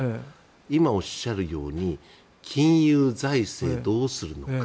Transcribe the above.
今、おっしゃるように金融、財政どうするのか。